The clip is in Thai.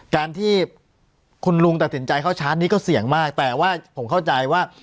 การที่คุณลุงตัดสินใจเข้าชาร์จนี้ก็เสี่ยงมากแต่ว่าผมเข้าใจว่า